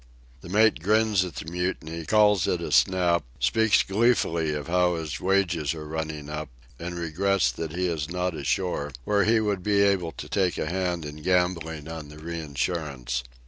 The mate grins at the mutiny, calls it a snap, speaks gleefully of how his wages are running up, and regrets that he is not ashore, where he would be able to take a hand in gambling on the reinsurance.